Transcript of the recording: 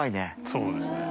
そうですね。